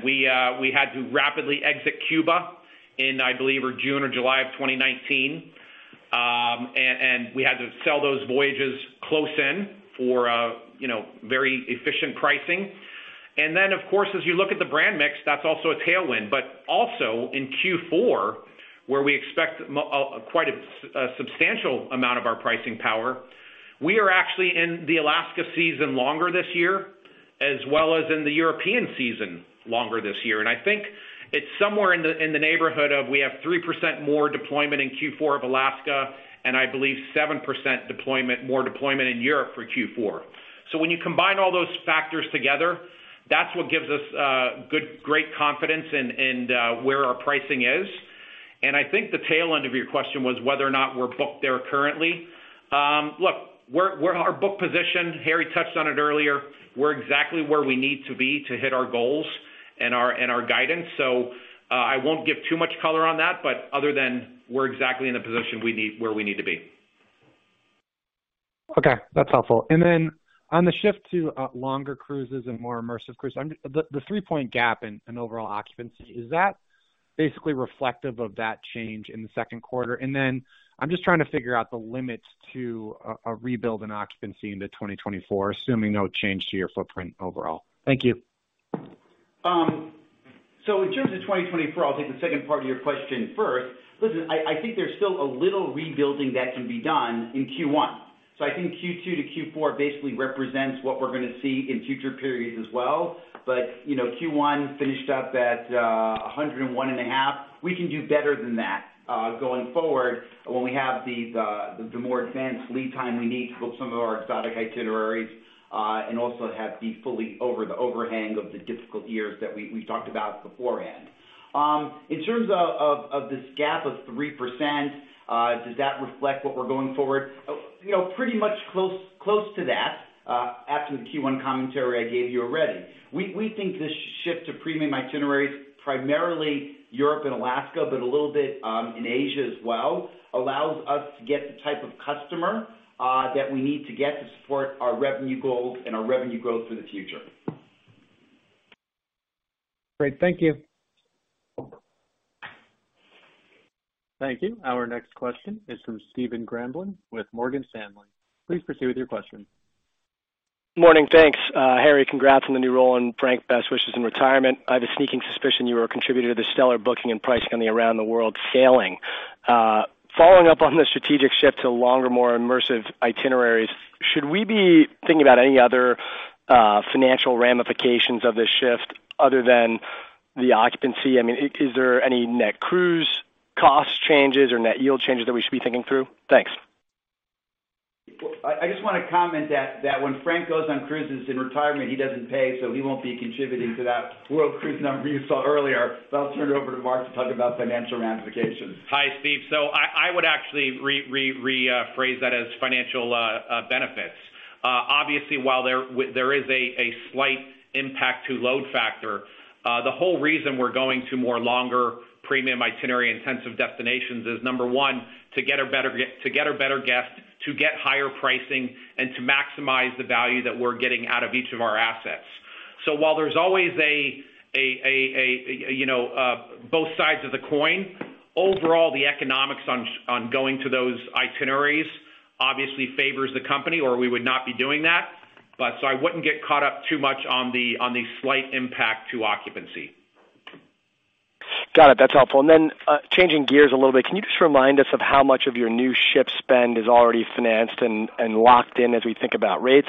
We had to rapidly exit Cuba in, I believe, June or July of 2019. We had to sell those voyages close in for, very efficient pricing. Then, of course, as you look at the brand mix, that's also a tailwind. Also in Q4, where we expect quite a substantial amount of our pricing power, we are actually in the Alaska season longer this year, as well as in the European season longer this year. I think it's somewhere in the neighborhood of we have 3% more deployment in Q4 of Alaska, I believe 7% more deployment in Europe for Q4. When you combine all those factors together, that's what gives us good, great confidence in where our pricing is. I think the tail end of your question was whether or not we're booked there currently. Look, we're our book position, Harry touched on it earlier, we're exactly where we need to be to hit our goals and our, and our guidance. I won't give too much color on that, but other than we're exactly in the position we need, where we need to be. Okay, that's helpful. On the shift to longer cruises and more immersive cruise, the 3-point gap in overall occupancy, is that basically reflective of that change in Q2? I'm just trying to figure out the limits to a rebuild in occupancy into 2024, assuming no change to your footprint overall. Thank you. In terms of 2024, I'll take the second part of your question first. Listen, I think there's still a little rebuilding that can be done in Q1. I think Q2 to Q4 basically represents what we're gonna see in future periods as well., Q1 finished up at 101.5%. We can do better than that going forward when we have these the more advanced lead time we need to book some of our exotic itineraries and also have the fully over the overhang of the difficult years that we talked about beforehand. In terms of this gap of 3%, does that reflect what we're going forward? Pretty much close to that after the Q1 commentary I gave you already. We think this shift to premium itineraries, primarily Europe and Alaska, but a little bit in Asia as well, allows us to get the type of customer that we need to get to support our revenue goals and our revenue growth for the future. Great. Thank you. Thank you. Our next question is from Stephen Grambling with Morgan Stanley. Please proceed with your question. Morning, thanks. Harry, congrats on the new role, and Frank, best wishes in retirement. I have a sneaking suspicion you were a contributor to the stellar booking and pricing on the around the world sailing. Following up on the strategic shift to longer, more immersive itineraries, should we be thinking about any other financial ramifications of this shift other than the occupancy? I mean, is there any net cruise cost changes or net yield changes that we should be thinking through? Thanks. I just wanna comment that when Frank goes on cruises in retirement, he doesn't pay, so he won't be contributing to that World Cruise number you saw earlier. I'll turn it over to Mark to talk about financial ramifications. Hi, Steve. I would actually phrase that as financial benefits. Obviously, while there is a slight impact to load factor, the whole reason we're going to more longer premium itinerary intensive destinations is, number one, to get a better guest, to get higher pricing, and to maximize the value that we're getting out of each of our assets. While there's always a, both sides of the coin, overall, the economics on going to those itineraries obviously favors the company, or we would not be doing that. I wouldn't get caught up too much on the slight impact to occupancy. Got it. That's helpful. Then, changing gears a little bit, can you just remind us of how much of your new ship spend is already financed and locked in as we think about rates?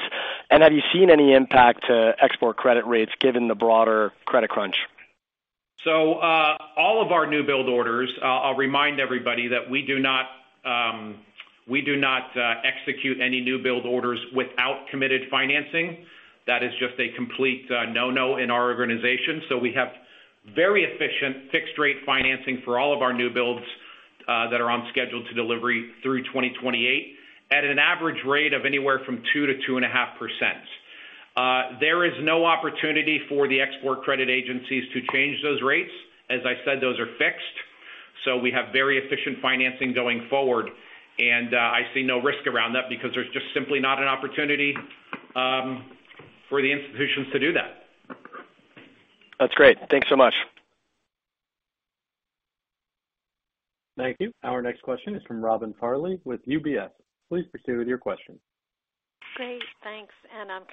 Have you seen any impact to export credit rates given the broader credit crunch? All of our new build orders, I'll remind everybody that we do not execute any new build orders without committed financing. That is just a complete no-no in our organization. We have very efficient fixed-rate financing for all of our new builds that are on schedule to delivery through 2028 at an average rate of anywhere from 2% to 2.5%. There is no opportunity for the export credit agencies to change those rates. As I said, those are fixed. We have very efficient financing going forward. I see no risk around that because there's just simply not an opportunity for the institutions to do that. That's great. Thanks so much. Thank you. Our next question is from Robin Farley with UBS. Please proceed with your question. Great. Thanks.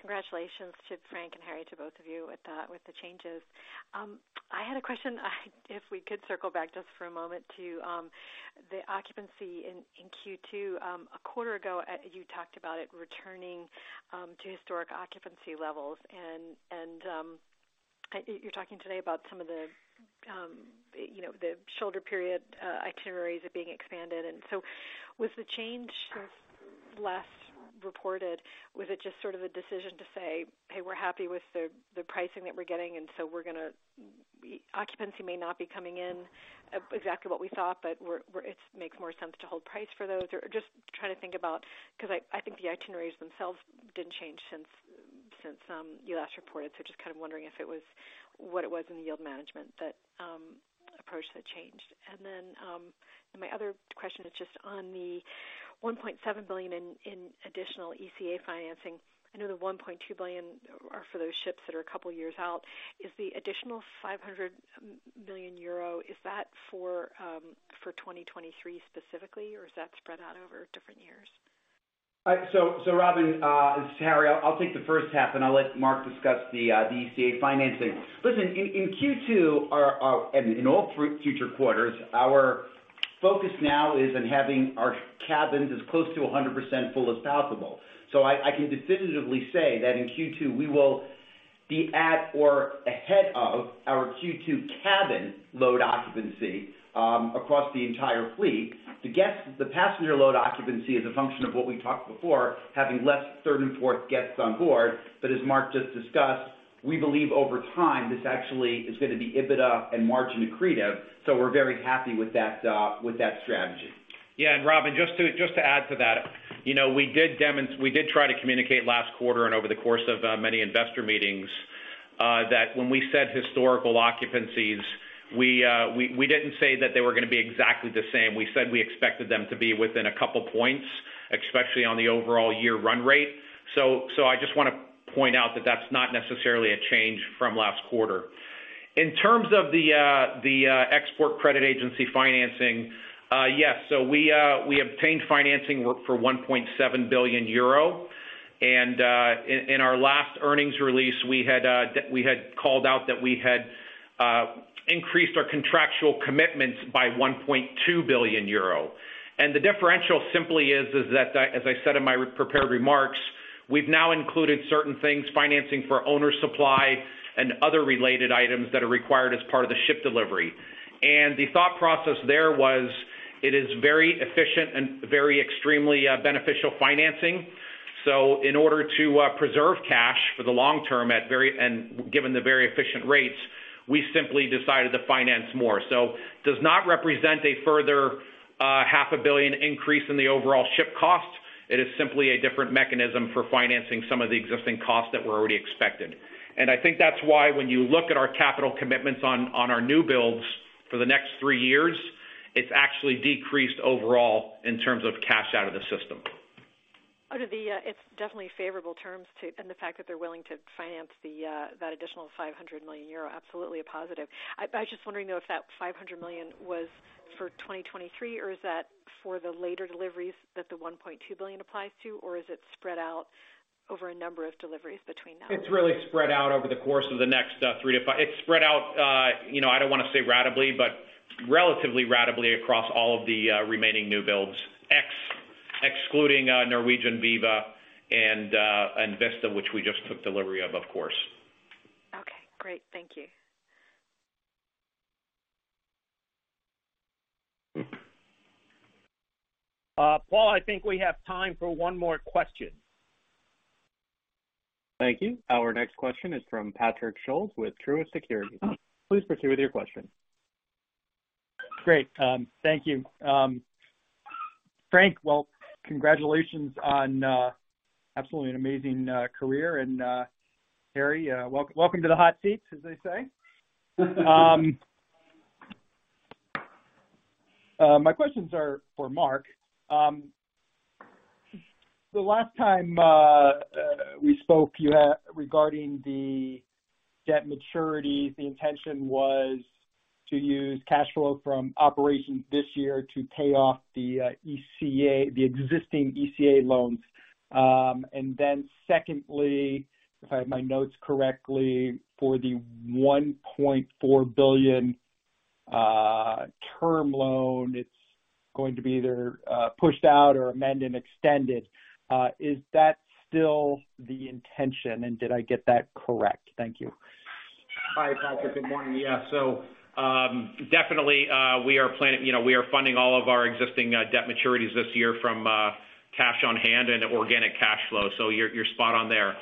Congratulations to Frank and Harry, to both of you with the changes. I had a question, if we could circle back just for a moment to the occupancy in Q2. A quarter ago, you talked about it returning to historic occupancy levels and you're talking today about some of the, the shoulder period itineraries are being expanded. Was the change less reported? Was it just sort of a decision to say, "Hey, we're happy with the pricing that we're getting, and so we're gonna Occupancy may not be coming in exactly what we thought, but we're it makes more sense to hold price for those." Just trying to think about because I think the itineraries themselves didn't change since you last reported. Just kind of wondering if it was what it was in the yield management that approach that changed. My other question is just on the 1.7 billion in additional ECA financing. I know the 1.2 billion are for those ships that are a couple years out. Is the additional 500 million euro, is that for 2023 specifically, or is that spread out over different years? Robin, this is Harry. I'll take the first half, and I'll let Mark discuss the ECA financing. Listen, in Q2, our and in all future quarters, our focus now is on having our cabins as close to 100% full as possible. I can definitively say that in Q2, we will be at or ahead of our Q2 cabin load occupancy across the entire fleet. To get the passenger load occupancy is a function of what we talked before, having less third and fourth guests on board. As Mark just discussed, we believe over time this actually is gonna be EBITDA and margin-accretive. We're very happy with that with that strategy. Yeah. Robin, just to add to that, we did try to communicate last quarter and over the course of many investor meetings that when we said historical occupancies, we didn't say that they were gonna be exactly the same. We said we expected them to be within a couple points, especially on the overall year run rate. So I just wanna point out that that's not necessarily a change from last quarter. In terms of the export credit agency financing. Yes. We obtained financing work for 1.7 billion euro. In our last earnings release, we had called out that we had increased our contractual commitments by 1.2 billion euro. The differential simply is that, as I said in my prepared remarks, we've now included certain things, financing for owner supply and other related items that are required as part of the ship delivery. The thought process there was, it is very efficient and very extremely beneficial financing. In order to preserve cash for the long term at and given the very efficient rates, we simply decided to finance more. Does not represent a further half a billion increase in the overall ship cost. It is simply a different mechanism for financing some of the existing costs that were already expected. I think that's why when you look at our capital commitments on our new builds for the next 3 years, it's actually decreased overall in terms of cash out of the system. It's definitely favorable terms to, and the fact that they're willing to finance the, that additional 500 million euro, absolutely a positive. I was just wondering, though, if that 500 million was for 2023, or is that for the later deliveries that the 1.2 billion applies to, or is it spread out over a number of deliveries between them? It's really spread out over the course of the next 3 to 5. It's spread out, I don't wanna say ratably, but relatively ratably across all of the remaining new builds, excluding Norwegian Viva and Vista, which we just took delivery of course. Okay, great. Thank you. Paul, I think we have time for one more question. Thank you. Our next question is from Patrick Scholes with Truist Securities. Please proceed with your question. Great. Thank you. Frank, well, congratulations on absolutely an amazing career. Harry, welcome to the hot seat, as they say. My questions are for Mark. The last time we spoke, regarding the debt maturities, the intention was to use cash flow from operations this year to pay off the ECA, the existing ECA loans. Secondly, if I have my notes correctly, for the $1.4 billion Term loan, it's going to be either pushed out or amend-and-extended. Is that still the intention, and did I get that correct? Thank you. Hi, Patrick. Good morning. definitely, we are funding all of our existing debt maturities this year from cash on hand and organic cash flow. You're spot on there.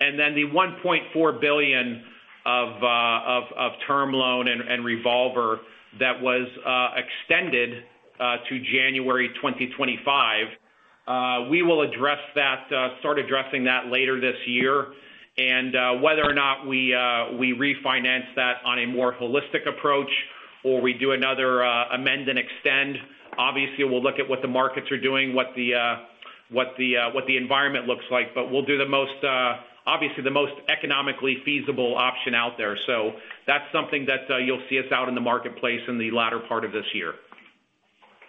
Then the $1.4 billion of term loan and revolver that was extended to January 2025, we will start addressing that later this year. Whether or not we refinance that on a more holistic approach or we do another amend-and-extend, obviously we'll look at what the markets are doing, what the environment looks like. We'll do the most obviously the most economically feasible option out there. That's something that, you'll see us out in the marketplace in the latter part of this year.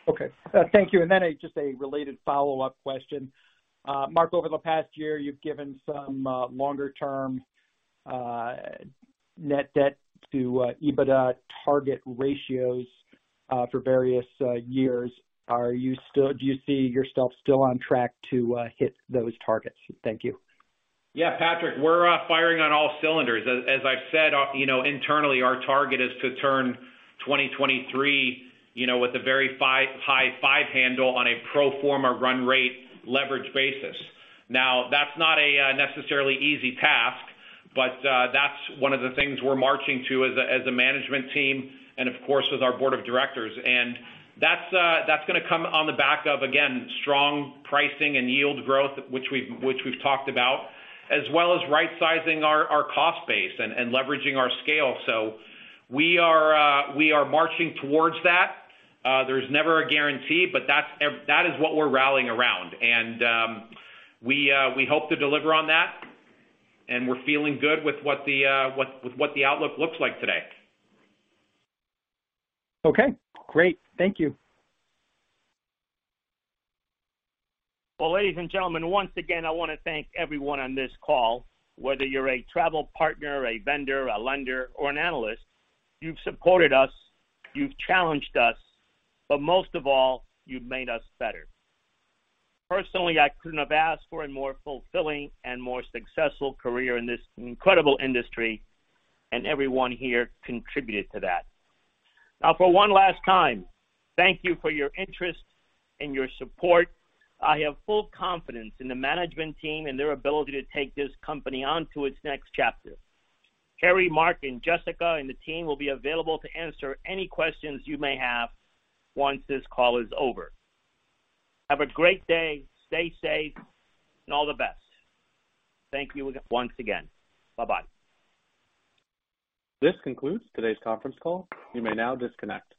Okay. Thank you. Just a related follow-up question. Mark, over the past year, you've given some longer term net debt to EBITDA target ratios for various years. Do you see yourself still on track to hit those targets? Thank you. Yeah, Patrick, we're firing on all cylinders. As I've said, internally, our target is to turn 2023, with a very high 5 handle on a pro forma run rate leverage basis. Now, that's not a necessarily easy task, but that's one of the things we're marching to as a management team and of course with our board of directors. That's gonna come on the back of, again, strong pricing and yield growth which we've talked about, as well as right sizing our cost base and leveraging our scale. We are marching towards that. There's never a guarantee, but that is what we're rallying around. We hope to deliver on that, and we're feeling good with what the outlook looks like today. Okay, great. Thank you. Well, ladies and gentlemen, once again, I wanna thank everyone on this call. Whether you're a travel partner, a vendor, a lender, or an analyst, you've supported us, you've challenged us, but most of all, you've made us better. Personally, I couldn't have asked for a more fulfilling and more successful career in this incredible industry, and everyone here contributed to that. Now, for one last time, thank you for your interest and your support. I have full confidence in the management team and their ability to take this company on to its next chapter. Harry, Mark, and Jessica, and the team will be available to answer any questions you may have once this call is over. Have a great day. Stay safe and all the best. Thank you once again. Bye-bye. This concludes today's conference call. You may now disconnect.